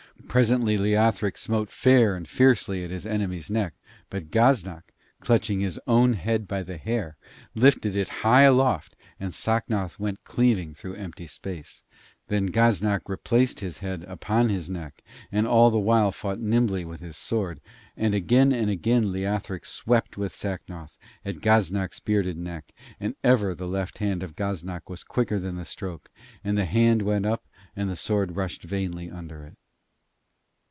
Presently Leothric smote fair and fiercely at his enemy's neck, but Gaznak, clutching his own head by the hair, lifted it high aloft, and Sacnoth went cleaving through an empty space. Then Gaznak replaced his head upon his neck, and all the while fought nimbly with his sword; and again and again Leothric swept with Sacnoth at Gaznak's bearded neck, and ever the left hand of Gaznak was quicker than the stroke, and the head went up and the sword rushed vainly under it.